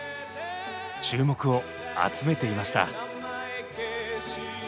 注目を集めていました。